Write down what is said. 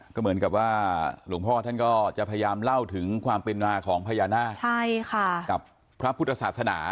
ก็เหมือนกับว่าหลวงพ่อท่านก็จะพยายามเล่าถึงความเป็นมาของพญานาคกับพระพุทธศาสนา